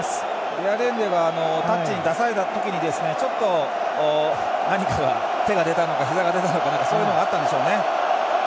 デアレンデがタッチに出された時にちょっと手が出たのかひざが出たのかそういうのがあったんでしょうね。